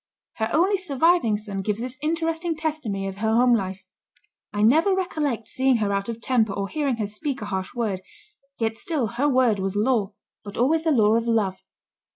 Her only surviving son gives this interesting testimony of her home life: "I never recollect seeing her out of temper or hearing her speak a harsh word, yet still her word was law, but always the law of love."